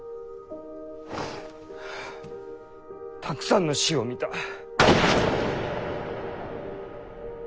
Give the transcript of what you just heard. たくさんの死を見た。